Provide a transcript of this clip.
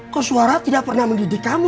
kok suara tidak pernah mendidik kamu